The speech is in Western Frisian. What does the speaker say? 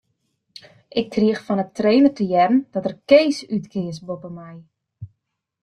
Ik krige fan 'e trainer te hearren dat er Kees útkeas boppe my.